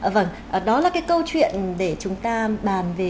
vâng đó là cái câu chuyện để chúng ta bàn về